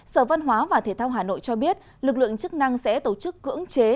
sở văn hóa và thể thao hà nội cho biết lực lượng chức năng sẽ tổ chức cưỡng chế